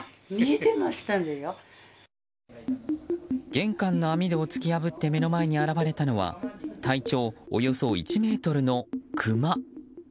玄関の網戸を突き破って目の前に現れたのは体長およそ１ｍのクマ。